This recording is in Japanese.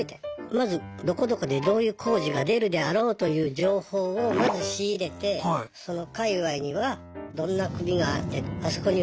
まずどこどこでどういう工事が出るであろうという情報をまず仕入れてその界隈にはどんな組があってあそこにはどこの誰が話をつけれる